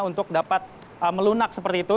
untuk dapat melunak seperti itu